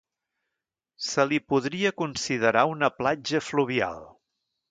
Se li podria considerar una platja fluvial.